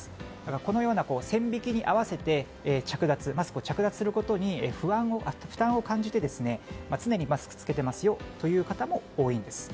このような線引きに合わせてマスクを着脱することに負担を感じて常にマスクを着けていますよという方も多いんです。